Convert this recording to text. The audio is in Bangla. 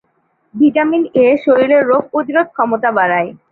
ভিটামিন ‘এ’ শরীরের রোগ প্রতিরোধ ক্ষমতা বাড়ায়।